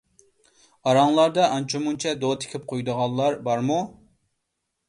ئاراڭلاردا ئانچە-مۇنچە دو تىكىپ قويىدىغانلار بارمۇ؟